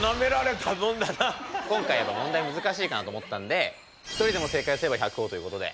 今回やっぱ問題が難しいかなと思ったんで１人でも正解すれば１００ほぉということで。